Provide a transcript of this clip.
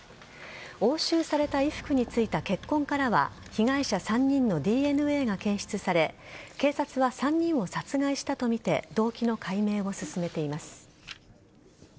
押収された衣服についた血痕からは被害者３人のＤＮＡが検出され警察は３人を殺害したとみて動機の解明を進めています。